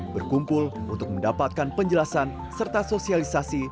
berkumpul untuk mendapatkan penjelasan serta sosialisasi